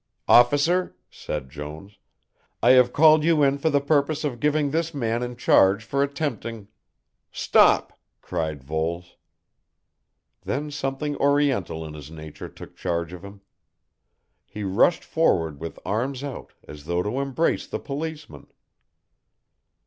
"Officer," said Jones. "I have called you in for the purpose of giving this man in charge for attempting " "Stop," cried Voles. Then something Oriental in his nature took charge of him. He rushed forward with arms out, as though to embrace the policeman.